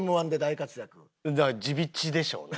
だから自美知でしょうね。